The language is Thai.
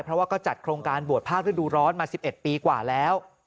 เพราะว่าก็จัดโครงการบวชภาคฤดูร้อนมา๑๑ปีกว่าแล้ว